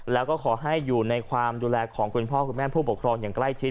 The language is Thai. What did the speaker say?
แล้วก็ขอให้อยู่ในความดูแลของคุณพ่อคุณแม่ผู้ปกครองอย่างใกล้ชิด